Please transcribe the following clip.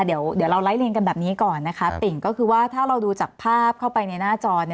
เดี๋ยวเราไล่เรียงกันแบบนี้ก่อนนะคะติ่งก็คือว่าถ้าเราดูจากภาพเข้าไปในหน้าจอ